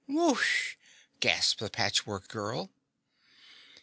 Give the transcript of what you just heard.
"Whooosh!" gasped the Patchwork Girl.